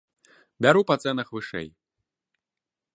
Бяру па цэнах вышэй!